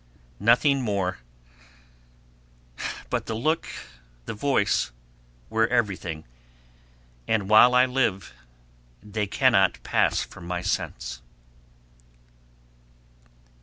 Nothing more, but the look, the voice, were everything; and while I live they cannot pass from my sense.